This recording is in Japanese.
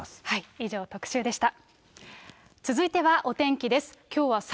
以上、特集でした。